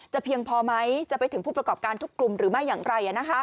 เพียงพอไหมจะไปถึงผู้ประกอบการทุกกลุ่มหรือไม่อย่างไร